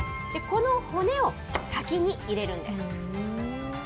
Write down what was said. この骨を先に入れるんです。